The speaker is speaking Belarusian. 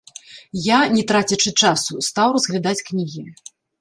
Я, не трацячы часу, стаў разглядаць кнігі.